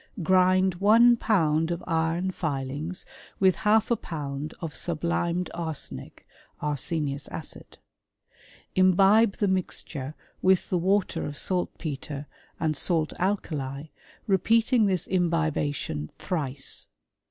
Grind one pound of iron filings with half a pound of sublimed arsenic (arsenious acid). Imbibe the mixture with the water of saltpetre, and salt alkali, repeating this imbibation thrice.